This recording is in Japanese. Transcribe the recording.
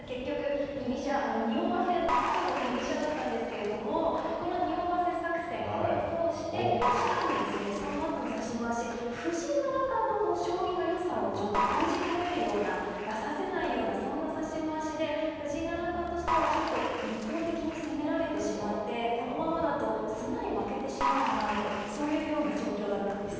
戦法としては結局におわせつつも居飛車だったんですけどにおわせ作戦が功を奏してしかも、そのあとの指しまわし藤井七冠の将棋の良さを出させないようで藤井七冠としては、ちょっと一方的に攻められてしまってこのままだとすんなり負けてしまうかなという状況だったんです。